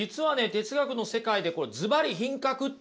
哲学の世界でこれずばり品格っていうね